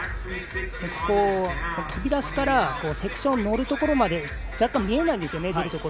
飛び出しからセクション乗るところまで若干見えないんですね。